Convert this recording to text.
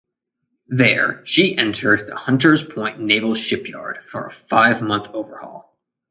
There, she entered the Hunter's Point Naval Shipyard for a five-month overhaul.